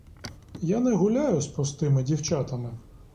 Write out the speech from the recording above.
Я не гуляю з простими дівчатами.